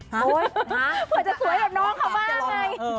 เหิดจะสวยสิบน๊องเขามากเลย